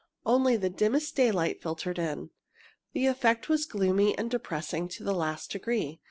Only the dimmest daylight filtered in. The effect was gloomy and depressing to the last degree.